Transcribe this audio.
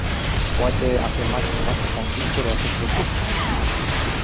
Poate afirma cineva cu convingere acest lucru?